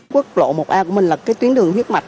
quốc lộ một a của mình là cái tuyến đường huyết mạch